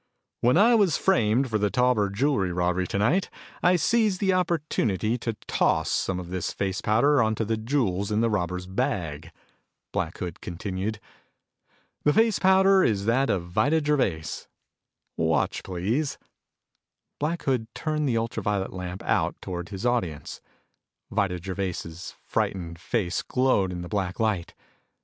"When I was framed for the Tauber jewel robbery tonight, I seized the opportunity to toss some of this face powder onto the jewels in the robbers' bag," Black Hood continued. "The face powder is that of Vida Gervais. Watch, please." Black Hood turned the ultra violet lamp out toward his audience. Vida Gervais' frightened face glowed in the black light.